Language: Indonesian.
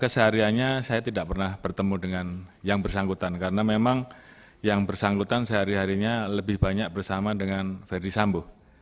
kesehariannya saya tidak pernah bertemu dengan yang bersangkutan karena memang yang bersangkutan sehari harinya lebih banyak bersama dengan verdi sambo